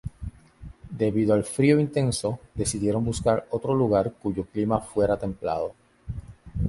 Debido al frío intenso decidieron buscar otro lugar cuyo clima fuera templado.